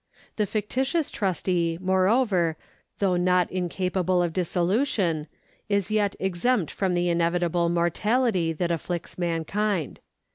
The fictitious trustee, moreover, though not in capable of dissolution, is yet exempt from the inevitable mor tality that afflicts mankind.